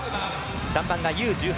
３番がＵ１８